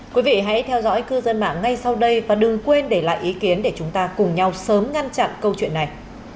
quý vị hãy theo dõi cư dân mạng ngay sau đây và đừng quên để lại ý kiến để chúng ta cùng nhau sớm ngăn chặn câu chuyện này